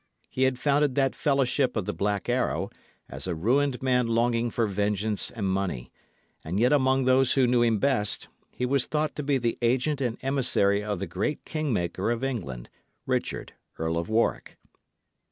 He had founded that fellowship of the Black Arrow, as a ruined man longing for vengeance and money; and yet among those who knew him best, he was thought to be the agent and emissary of the great King maker of England, Richard, Earl of Warwick.